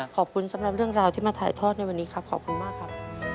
ขอบคุณสำหรับเรื่องราวที่มาถ่ายทอดในวันนี้ครับขอบคุณมากครับ